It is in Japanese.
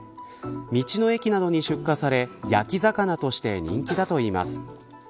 道の駅などに出荷され焼き魚として人気だといいます。